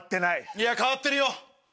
いや変わってるよ！